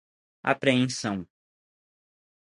apreensão